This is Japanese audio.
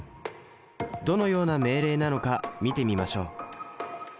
どのような命令なのか見てみましょう。